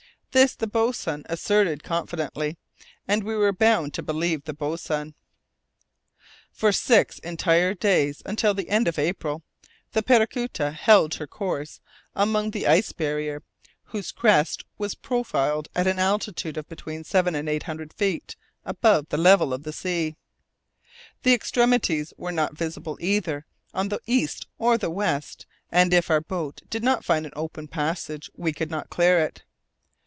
This the boatswain asserted confidently, and we were bound to believe the boatswain. For six entire days, until the 2nd of April, the Paracuta held her course among the ice barrier, whose crest was profiled at an altitude of between seven and eight hundred feet above the level of the sea. The extremities were not visible either on the east or the west, and if our boat did not find an open passage, we could not clear it.